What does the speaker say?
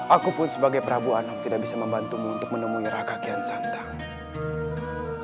aku pun sebagai prabu anong tidak bisa membantumu untuk menemui raka kian santang